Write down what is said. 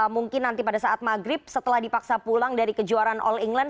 mungkin nanti pada saat maghrib setelah dipaksa pulang dari kejuaraan all england